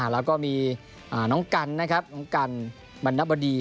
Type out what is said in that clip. แล้วก็มีน้องกันนะครับน้องกันบรรณบดี